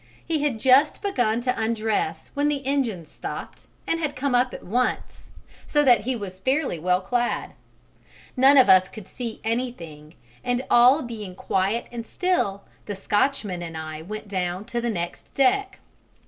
He had just begun to undress when the engines stopped and had come up at once, so that he was fairly well clad; none of us could see anything, and all being quiet and still, the Scotchman and I went down to the next deck.